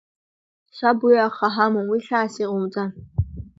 Саб, уи аха ҳамам, уи хьаас иҟоумҵан.